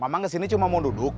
emang kesini cuma mau duduk